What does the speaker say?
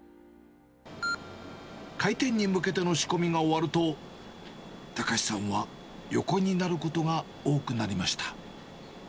開店に向けての仕込みが終わると、隆さんは横になることが多くなりました。